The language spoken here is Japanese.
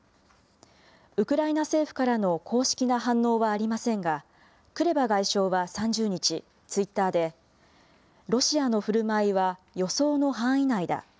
ウクライナ政府からの公式な反応はありませんが、クレバ外相は３０日、ツイッターで、ロシアのふるまいは予想の範囲内だ。